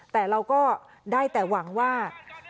แต่เราก็ได้แต่หวังว่า